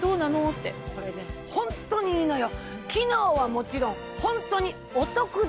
これねホントにいいのよ。